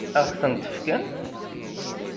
Ad ɣ-tent-fken?